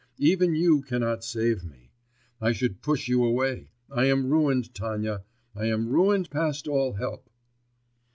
even you cannot save me. I should push you away, I am ruined, Tanya, I am ruined past all help.